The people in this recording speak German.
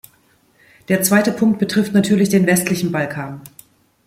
Der zweite Punkt betrifft natürlich den westlichen Balkan.